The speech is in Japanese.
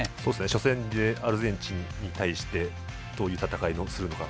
初戦でアルゼンチンに対してどういう戦いをするのか。